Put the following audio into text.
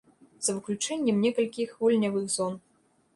За выключэннем некалькіх гульнявых зон.